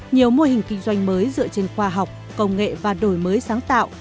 nhiều mô hình kinh doanh mới dựa trên khoa học công nghệ và đổi mới sáng tạo